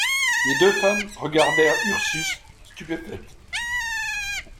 Les deux femmes regardèrent Ursus, stupéfaites.